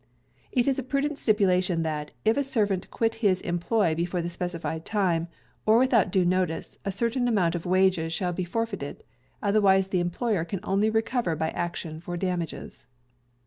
It is a Prudent Stipulation that, if a servant quit his employ before the specified time, or without due notice, a certain amount of wages shall be forfeited; otherwise the employer can only recover by action for damages.